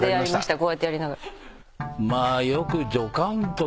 こうやってやりながら。